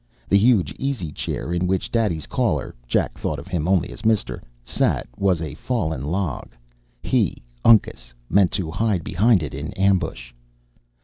The huge easy chair in which Daddy's caller (Jack thought of him only as "Mister") sat was a fallen log. He, Uncas, meant to hide behind it in ambush.